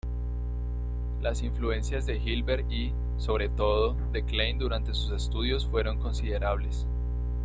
Las influencias de Hilbert y, sobre todo, de Klein durante sus estudios fueron considerables.